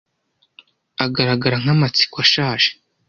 agaragara nka Amatsiko ashaje